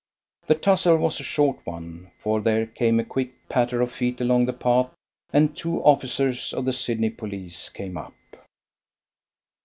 The tussle was a short one, for there came a quick patter of feet along the path, and two officers of the Sydney police came up.